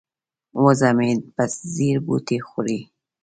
وزه مې په ځیر بوټي خوري.